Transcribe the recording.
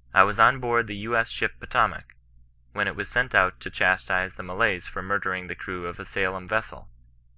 " I was on board the U. S. ship Potomac, when it was sent out to chastise the Malays for murdering the crew of a Salem vessel.